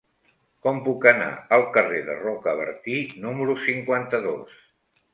Com puc anar al carrer de Rocabertí número cinquanta-dos?